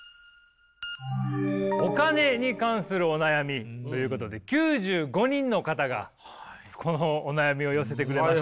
お金に関するお悩みということで９５人の方がこのお悩みを寄せてくれました。